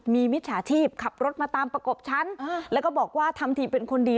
มีมิจฉาชีพขับรถมาตามประกบฉันแล้วก็บอกว่าทำทีเป็นคนดี